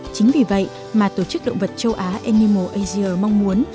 chính vì vậy mà tổ chức động vật châu á animal asia mong muốn